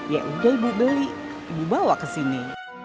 yaudah ibu beli ibu bawa ke sini